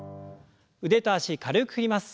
腕と脚軽く振ります。